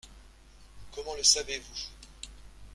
Comment le savez-vous ?